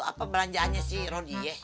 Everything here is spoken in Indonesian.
apa belanjaannya si rodi